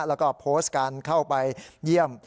แล้วก็โพสต์การเข้าไปเยี่ยม